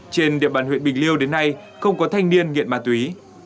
trên địa bàn huyện bình liêu đến nay không có thanh niên nghiện ma túy